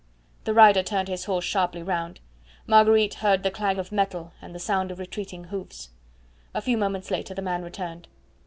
The rider turned his horse sharply round. Marguerite heard the clang of metal and the sound of retreating hoofs. A few moments later the man returned.